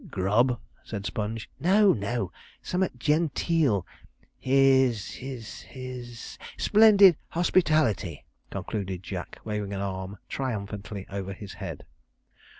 'Grub!' said Sponge. 'No, no summut genteel his his his "splendid hospitality!"' concluded Jack, waving his arm triumphantly over his head.